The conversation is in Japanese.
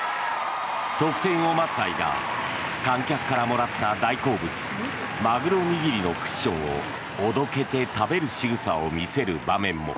得点を待つ間観客からもらった大好物マグロ握りのクッションをおどけて食べるしぐさを見せる場面も。